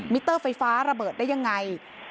เตอร์ไฟฟ้าระเบิดได้ยังไง